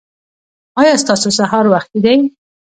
ایا ستاسو سهار وختي دی؟